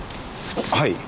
はい。